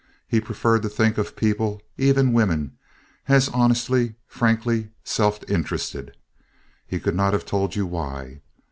He preferred to think of people—even women—as honestly, frankly self interested. He could not have told you why.